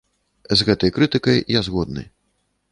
З гэтай крытыкай я згодны.